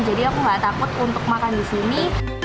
jadi aku nggak takut untuk makan di sini